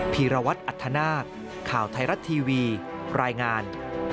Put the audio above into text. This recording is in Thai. ีรวัตรอัธนาคข่าวไทยรัฐทีวีรายงาน